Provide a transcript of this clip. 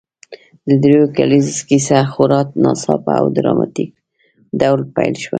د دریو ګيبلز کیسه خورا ناڅاپه او ډراماتیک ډول پیل شوه